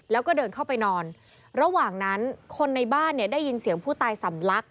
แล้วก็เดินเข้าไปนอนระหว่างนั้นคนในบ้านเนี่ยได้ยินเสียงผู้ตายสำลัก